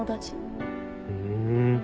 ふん。